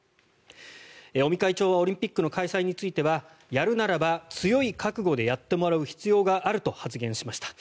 尾身会長はオリンピックの開催についてはやるならば強い覚悟でやってもらう必要があると発言しました。